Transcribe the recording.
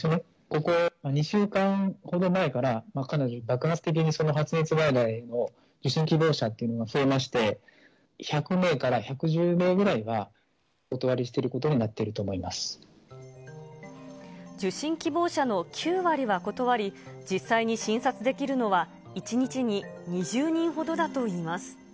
ここ２週間ほど前から、かなり爆発的に発熱外来の受診希望者というのが増えまして、１００名から１１０名ぐらいはお断りしていることになってると思受診希望者の９割は断り、実際に診察できるのは、１日に２０人ほどだといいます。